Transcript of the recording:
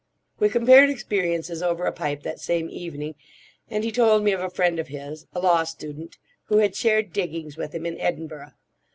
We compared experiences over a pipe that same evening; and he told me of a friend of his, a law student, who had shared diggings with him in Edinburgh.